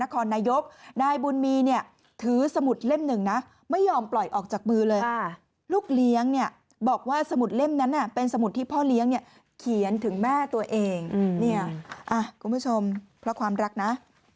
คุณผู้ชมเพราะความรักนะ